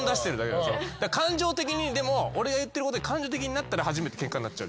でも俺が言ってることに感情的になったら初めてケンカになっちゃう。